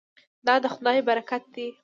دا د خدای برکت دی.